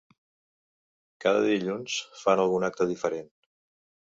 Cada dilluns fan algun acte diferent.